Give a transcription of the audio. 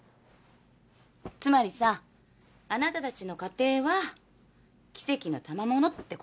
つまりさあなたたちの家庭は奇跡のたまものってこと。